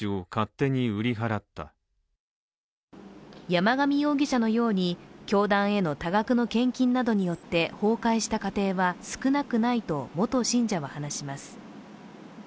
山上容疑者のように、教団への多額の献金などによって崩壊した家庭は少なくないと元信者は話します。